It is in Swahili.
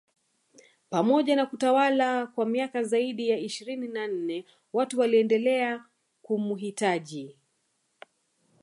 Pamoja na kutawala kwa miaka zaidi ya ishirini na nne watu waliendelea kumuhitaji